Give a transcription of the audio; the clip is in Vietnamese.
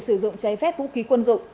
sử dụng cháy phép vũ khí quân dụng